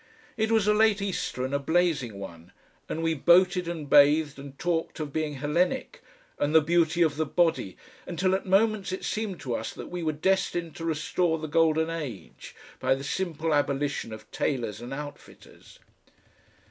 It was a late Easter and a blazing one, and we boated and bathed and talked of being Hellenic and the beauty of the body until at moments it seemed to us that we were destined to restore the Golden Age, by the simple abolition of tailors and outfitters.